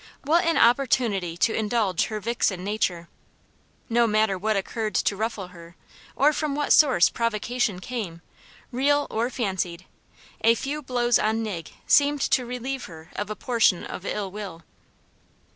What an opportunity to indulge her vixen nature! No matter what occurred to ruffle her, or from what source provocation came, real or fancied, a few blows on Nig seemed to relieve her of a portion of ill will.